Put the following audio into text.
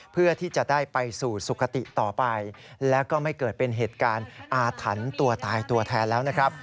เพื่อที่จะได้ไปสู่สุขติต่อไปแล้วก็ไม่เกิดเป็นเหตุการณ์อาถรรพ์ตัวตายตัวแทนแล้วนะครับ